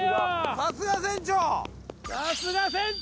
さすが船長。